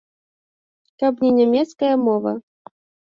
Каб не нямецкая мова.